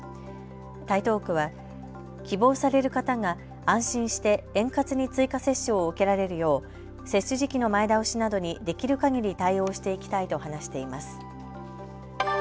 台東区は希望される方が安心して円滑に追加接種を受けられるよう接種時期の前倒しなどにできるかぎり対応していきたいと話しています。